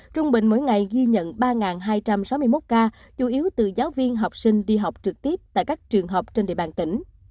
trung bình mỗi ngày ghi nhận ba hai trăm sáu mươi một ca chủ yếu từ giáo viên học sinh đi học trực tiếp tại các trường học trên địa bàn tỉnh